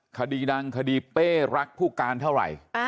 คดีดังคดีเป้รักผู้การเท่าไหร่